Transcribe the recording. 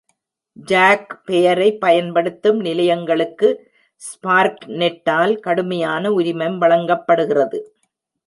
"Jack" பெயரை பயன்படுத்தும் நிலையங்களுக்கு ஸ்பார்க்நெட்டால் கடுமையான உரிமம் வழங்கப்படுகிறது.